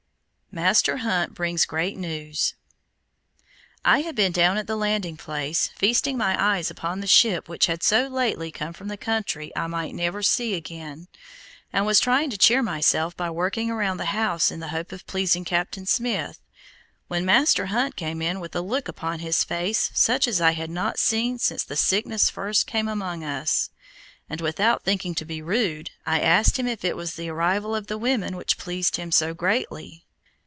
MASTER HUNT BRINGS GREAT NEWS I had been down at the landing place, feasting my eyes upon the ship which had so lately come from the country I might never see again, and was trying to cheer myself by working around the house in the hope of pleasing Captain Smith, when Master Hunt came in with a look upon his face such as I had not seen since the sickness first came among us, and, without thinking to be rude, I asked him if it was the arrival of the women which pleased him so greatly.